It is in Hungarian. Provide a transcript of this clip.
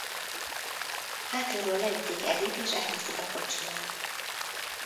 Hátulról leütik Eddie-t és elviszik a kocsiját.